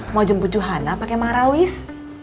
mau jemput johana pakai marawis